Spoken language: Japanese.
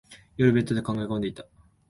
夜、ベッドで考え込んでいた。